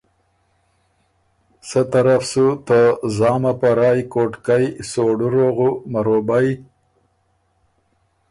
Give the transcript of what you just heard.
سۀ طرف سُو ته زامه په رایٛ کوټکئ، سوړُو روغُو، مروبئ،